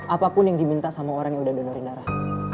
apapun yang diminta sama orang yang udah donorin darah